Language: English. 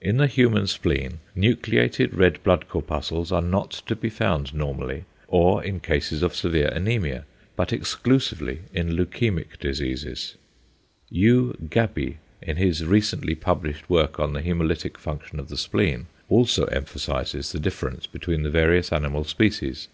=In the human spleen nucleated red blood corpuscles are not to be found normally or in cases of severe anæmia, but exclusively in leukæmic diseases.= U. Gabbi in his recently published work on the hæmolytic function of the spleen, also emphasises the difference between the various animal species.